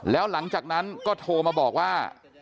แล้วหลังจากนั้นก็โทรมาบอกว่า